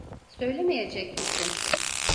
Söylemeyecek misin?